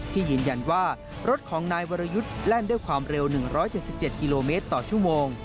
ยืนยันว่ารถของนายวรยุทธ์แล่นด้วยความเร็ว๑๗๗กิโลเมตรต่อชั่วโมง